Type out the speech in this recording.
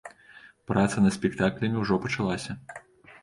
Праца над спектаклямі ўжо пачалася.